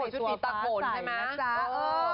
ชุดผีตาโฟนใช่มั้ย